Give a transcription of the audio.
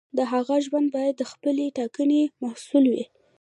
د هغه ژوند باید د خپلې ټاکنې محصول وي.